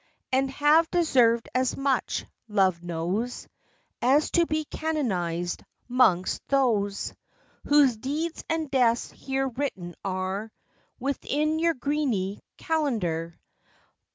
And have deserved as much, Love knows, As to be canonized 'mongst those Whose deeds and deaths here written are Within your Greeny kalendar.